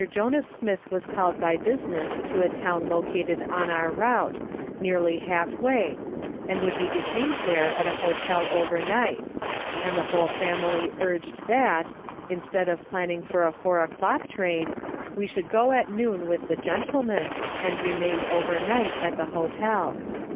Jonas Smith was called by business to a town located on our route, nearly half way, and would be detained there at a hotel over night, and the whole family urged that, instead of planning for a four o'clock train, we should go at noon with the gentleman and remain overnight at the hotel.